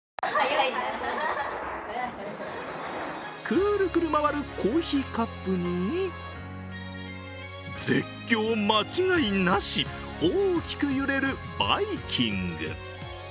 くーるくる回るコーヒーカップに絶叫間違いなし大きく揺れるバイキング。